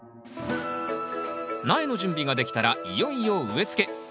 苗の準備ができたらいよいよ植えつけ。